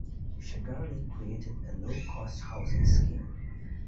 Shagari created a low cost housing scheme.